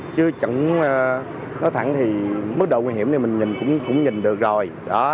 chứ chẳng nói thẳng thì mức độ nguy hiểm này mình cũng nhìn được rồi